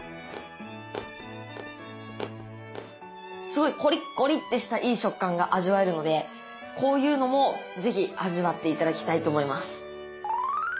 すごいコリッコリッてしたいい食感が味わえるのでこういうのも是非味わって頂きたいと思います。